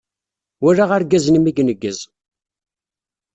Walaɣ argaz-nni mi ineggez.